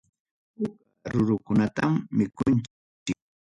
Puka rurukunatam mikunchik.